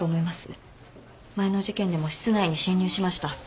前の事件でも室内に侵入しました。